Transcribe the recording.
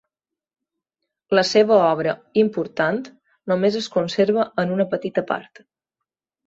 La seva obra, important, només es conserva en una petita part.